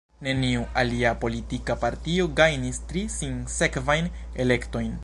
Neniu alia politika partio gajnis tri sinsekvajn elektojn.